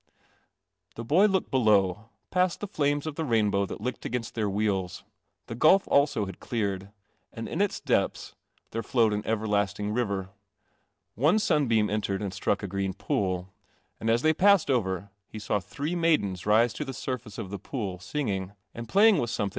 The boy looked below, past the flames of the rainbow that licked against their wheels. The gulf also had cleared, and in its depths there flowed an everlasting river. One sunbeam en tered and struck a green pool, and as they passed 68 Mi: CELESTIAL < OMNIBUS over he saw three maidens rise to the Buri ing, and playing with some thing th.